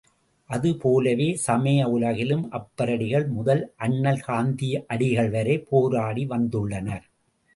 அது போலவே சமய உலகிலும் அப்பரடிகள் முதல் அண்ணல் காந்தியடிகள் வரை போராடி வந்துள்ளனர்.